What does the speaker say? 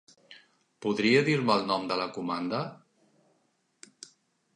Podria dir-me el nom de la comanda?